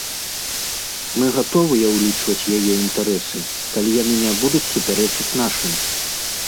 Мы гатовыя ўлічваць яе інтарэсы, калі яны не будуць супярэчыць нашым.